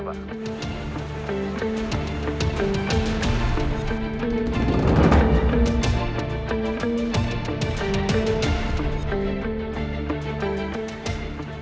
bapak ini dia